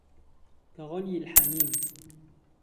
كَغَلْيِ الْحَمِيمِ